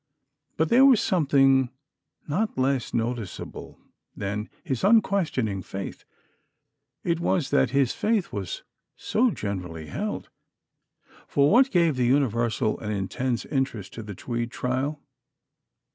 But there was something not less noticeable than his unquestioning faith. It was that his faith was so generally held. For what gave the universal and intense interest to the Tweed trial?